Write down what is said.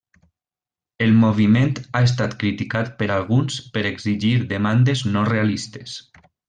El moviment ha estat criticat per alguns per exigir demandes no realistes.